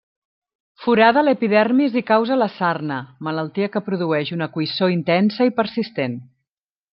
Forada l'epidermis i causa la sarna, malaltia que produeix una coïssor intensa i persistent.